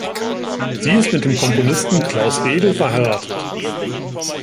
Sie ist mit dem Komponisten Claus Redl verheiratet.